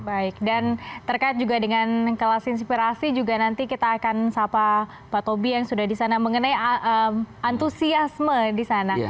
baik dan terkait juga dengan kelas inspirasi juga nanti kita akan sapa pak tobi yang sudah di sana mengenai antusiasme di sana